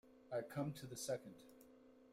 I come to the second.